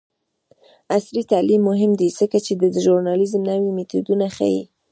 عصري تعلیم مهم دی ځکه چې د ژورنالیزم نوې میتودونه ښيي.